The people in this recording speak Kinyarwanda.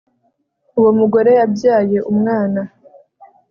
uwo mugore yabyaye umwana